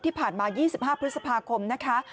ที่ผ่านมา๒๕พฤษภาคมนะคะ